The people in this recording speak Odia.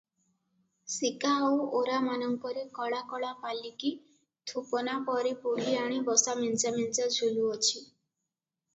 ସିକା ଆଉ ଓରାମାନଙ୍କରେ କଳା କଳା ପାଲିକି ଥୁପନାପରି ବୁଢ଼ିଆଣୀ ବସା ମେଞ୍ଚା ମେଞ୍ଚା ଝୁଲୁଅଛି ।